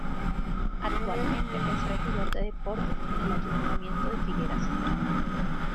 Actualmente es regidor de Deportes en el Ayuntamiento de Figueras.